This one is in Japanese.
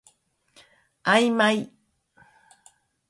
あいまい